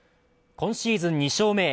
今シーズン２勝目へ。